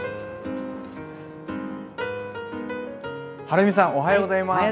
はるみさんおはようございます。